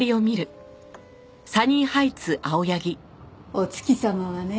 お月様はね